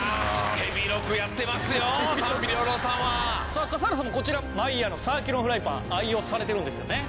さあ笠原さんもこちらマイヤーのサーキュロンフライパン愛用されてるんですよね？